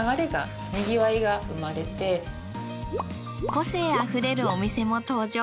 個性あふれるお店も登場。